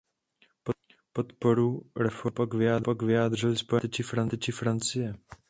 Podporu reformě naopak vyjádřily Spojené státy či Francie.